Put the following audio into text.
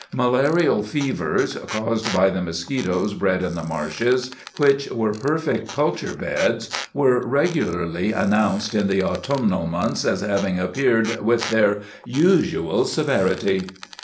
Malarial fevers, caused by the mosquitoes bred in the marshes, which were perfect culture beds, were regularly announced in the autumnal months as having appeared with their "usual severity."